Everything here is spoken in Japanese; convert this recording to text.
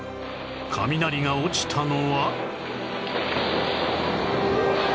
雷が落ちたのは